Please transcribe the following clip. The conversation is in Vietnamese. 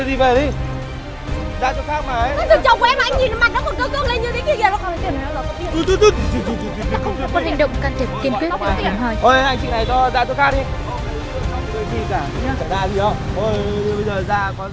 thôi bây giờ ra có ra